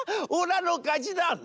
おらのかちだ！」。